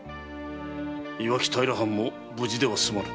磐城平藩も無事では済まぬ。